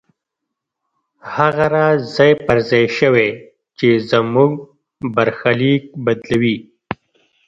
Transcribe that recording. هغه راز ځای پر ځای شوی چې زموږ برخليک بدلوي.